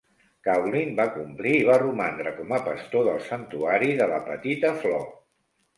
Coughlin va complir i va romandre com a pastor del Santuari de la Petita Flor.